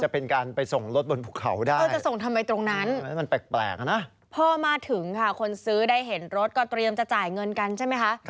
พอมาถึงค่ะคนซื้อได้เห็นรถก็เตรียมจะจ่ายเงินกันใช่ไหมคะ